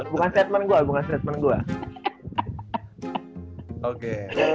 bukan statement gue bukan statement gue